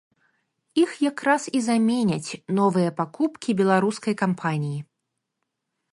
Іх якраз і заменяць новыя пакупкі беларускай кампаніі.